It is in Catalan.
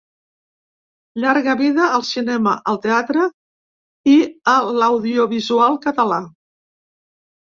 Llarga vida al cinema, al teatre i a l’audiovisual català.